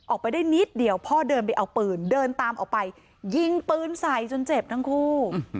ออกไปได้นิดเดียวพ่อเดินไปเอาปืนเดินตามออกไปยิงปืนใส่จนเจ็บทั้งคู่